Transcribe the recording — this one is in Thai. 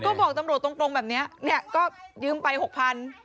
ก็บอกตำรวจตรงแบบนี้เนี่ยก็ยืมไป๖๐๐บาท